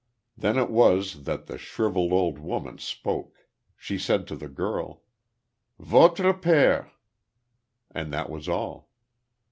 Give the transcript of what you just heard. Then it was that the shrivelled old woman spoke. She said to the girl: "Votre pere." And that was all.